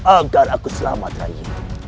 agar aku selamat rayi